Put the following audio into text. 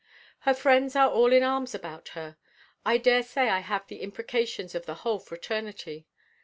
Her friends are all in arms about her. I dare say I have the imprecations of the whole fraternity.